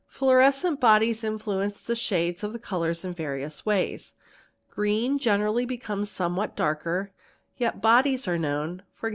Fluorescent bodies influence the shades of colours in various ways; green ; generally become somewhat darker, yet bodies are known, e.g.